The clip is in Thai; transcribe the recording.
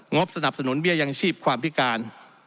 บสนับสนุนเบี้ยยังชีพความพิการ